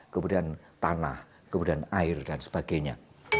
kemudian tanah kemudian air dan sebagainya